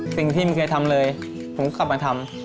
สิ่งที่ไม่เคยทำเลยผมก็กลับมาทำ